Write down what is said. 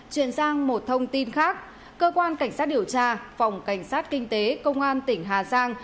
chuyển sang một thông tin khác cơ quan cảnh sát điều tra phòng cảnh sát kinh tế công an tỉnh hà giang